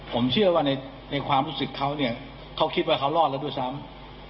ผมเชื่อว่าในความรู้สึกเขาเนี่ยเขาคิดว่าเขารอดแล้วด้วยซ้ำ